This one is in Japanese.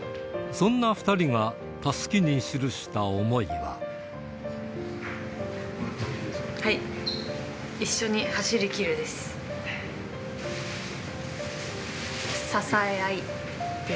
そんな２人がたすきに記した想いは。